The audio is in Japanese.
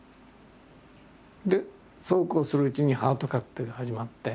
でそうこうするうちに「ハートカクテル」が始まって。